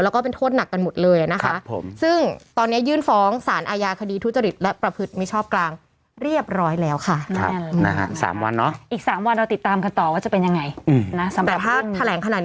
แล้วก็เป็นโทษหนักกันหมดเลยนะคะซึ่งตอนนี้ยื่นฟ้องสารอายาคดีทุจริตและประพฤติมิชชอบกลางเรียบร้อยแล้วค่ะ